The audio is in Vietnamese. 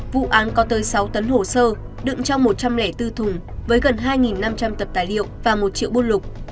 vụ án có tới sáu tấn hồ sơ đựng trong một trăm linh bốn thùng với gần hai năm trăm linh tập tài liệu và một triệu bôn lục